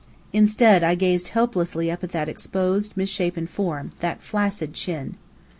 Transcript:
Instead, I gazed helplessly up at that exposed, misshapen form, that flaccid chin.